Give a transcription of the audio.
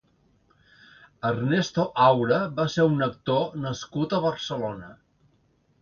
Ernesto Aura va ser un actor nascut a Barcelona.